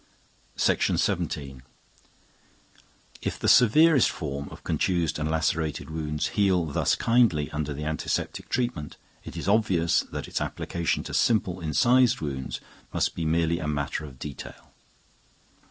If the severest forms of contused and lacerated wounds heal thus kindly under the antiseptic treatment, it is obvious that its application to simple incised wounds must be merely a matter of detail.